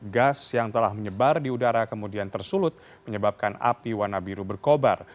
gas yang telah menyebar di udara kemudian tersulut menyebabkan api warna biru berkobar